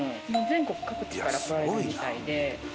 全国各地から来られるみたいで。